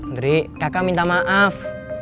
ndri kakak minta maaf